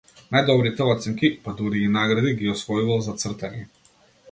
Најдобрите оценки, па дури и награди, ги освојувал за цртање.